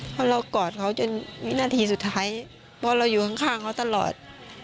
เพราะเรากอดเขาจนวินาทีสุดท้ายเพราะเราอยู่ข้างเขาตลอด